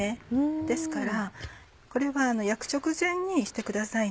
ですからこれは焼く直前にしてください。